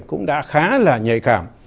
cũng đã khá là nhạy cảm